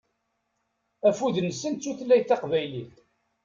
Afud-nsent d tutlayt taqbaylit.